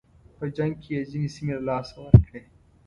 په جنګ کې یې ځینې سیمې له لاسه ورکړې.